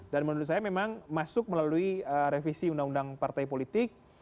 dan menurut saya memang masuk melalui revisi undang undang partai politik